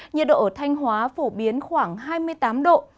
nhiệt độ ở thanh hóa phổ biến khoảng hai mươi tám độ